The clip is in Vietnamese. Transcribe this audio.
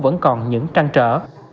vẫn còn những trăn trở